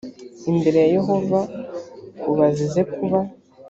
imbere ya yehova u bazize kuba